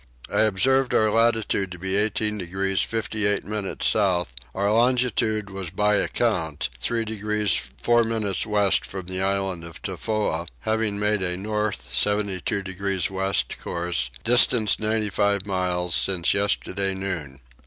I observed our latitude to be 18 degrees 58 minutes south; our longitude was by account 3 degrees 4 minutes west from the island of Tofoa, having made a north 72 degrees west course, distance 95 miles, since yesterday noon.